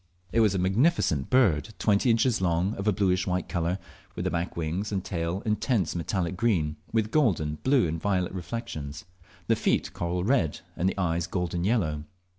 It was a magnificent bird twenty inches long, of a bluish white colour, with the back wings and tail intense metallic green, with golden, blue, and violet reflexions, the feet coral red, and the eyes golden yellow.